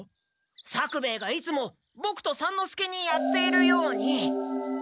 作兵衛がいつもボクと三之助にやっているように。